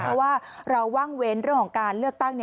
เพราะว่าเราว่างเว้นเรื่องของการเลือกตั้ง